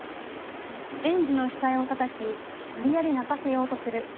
園児の額をたたき無理やり泣かせようとする。